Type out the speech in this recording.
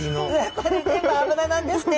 これ全部脂なんですね。